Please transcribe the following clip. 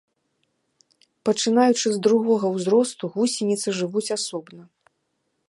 Пачынаючы з другога ўзросту, гусеніцы жывуць асобна.